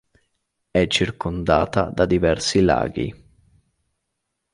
È circondata da diversi laghi.